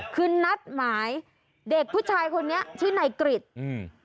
คือนัดหมายเด็กผู้ชายคนนี้ชื่อนายกริจอืม